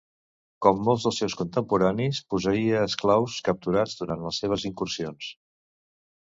Com molts dels seus contemporanis, posseïa esclaus capturats durant les seves incursions.